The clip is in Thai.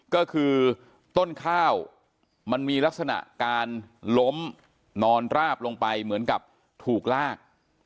ก็คือต้นข้าวมันมีลักษณะการล้มนอนราบลงไปเหมือนกับถูกลาก